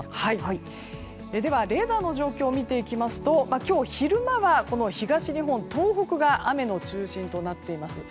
ではレーダーの状況を見ていきますと今日昼間は東日本、東北が雨の中心となっています。